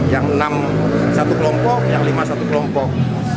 yang enam satu kelompok yang lima satu kelompok